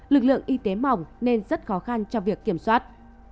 lực lượng y tế mỏng nên rất khó khăn cho việc kiểm soát